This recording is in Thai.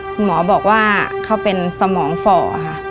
คุณหมอบอกว่าเขาเป็นสมองฝ่อค่ะ